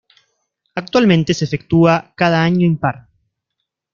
Actualmente se efectúa cada año impar.